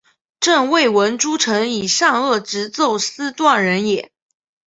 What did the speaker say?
朕未闻诸臣以善恶直奏斯断人也！